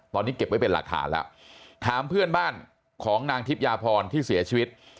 ตอนนี้เก็บไว้เป็นหลักฐานแล้วถามเพื่อนบ้านของนางทิพยาพรที่เสียชีวิต